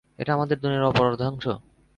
এটা আমাদের দুনিয়ার অপর অর্ধাংশ।